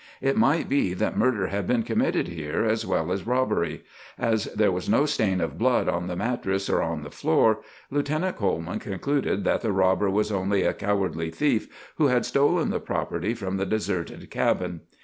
It might be that murder had been committed here as well as robbery. As there was no stain of blood on the mattress or on the floor, Lieutenant Coleman concluded that the robber was only a cowardly thief who had stolen the property from the deserted cabin.